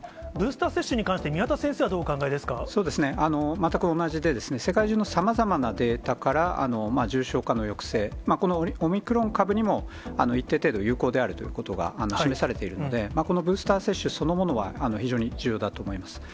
ブースター接種に関して、そうですね、全く同じでですね、世界中のさまざまなデータから、重症化の抑制、このオミクロン株にも一定程度、有効であるということが示されているので、このブースター接種そのものは、非常に重要だと思います。